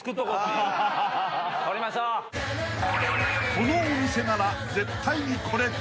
［このお店なら絶対にこれ］